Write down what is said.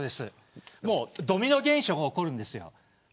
ドミノ現象が起こるんです